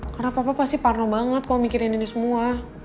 karena papa pasti parno banget kalo mikirin ini semua